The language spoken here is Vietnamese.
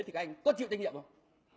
thì các anh có chịu trách nhiệm không